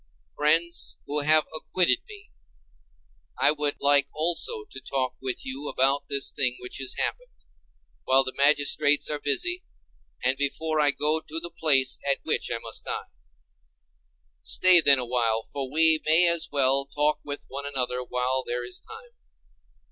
Friends, who would have acquitted me, I would like also to talk with you about this thing which has happened, while the magistrates are busy, and before I go to the place at which I must die. Stay then awhile, for we may as well talk with one another while there is time.